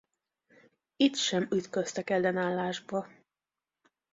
Itt sem ütköztek ellenállásba.